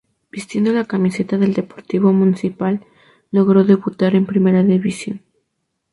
Vistiendo la camiseta del Deportivo Municipal, logró debutar en primera división.